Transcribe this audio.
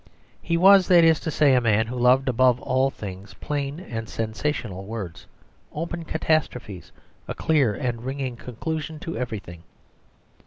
He was, that is to say, a man who loved above all things plain and sensational words, open catastrophes, a clear and ringing conclusion to everything.